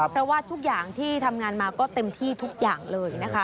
เพราะว่าทุกอย่างที่ทำงานมาก็เต็มที่ทุกอย่างเลยนะคะ